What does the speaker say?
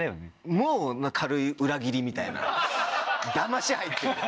もう軽い裏切りみたいなだまし入ってるよ。